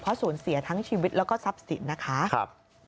เพราะสูญเสียทั้งชีวิตแล้วก็ทรัพย์สินนะคะ